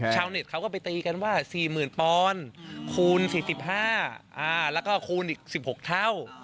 เน็ตเขาก็ไปตีกันว่า๔๐๐๐ปอนด์คูณ๔๕แล้วก็คูณอีก๑๖เท่า